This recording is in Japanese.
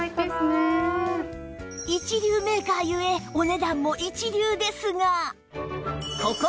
一流メーカーゆえお値段も一流ですが